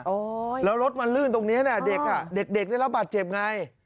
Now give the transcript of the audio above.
แล้วรถมันลื่นตรงนี้น่ะเด็กอ่ะเด็กได้รับบาดเจ็บไง